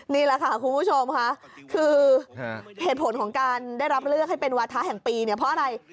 นี่แหละค่ะคุณผู้ชมค่ะคือเหตุผลของการได้รับเลือกให้เป็นวาทะแห่งปีเนี่ยเพราะอะไร